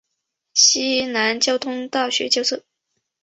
西南交通大学教授。